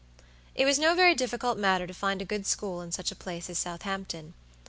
It was no very difficult matter to find a good school in such a place as Southampton.